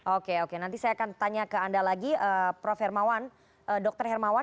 oke oke nanti saya akan tanya ke anda lagi prof hermawan dr hermawan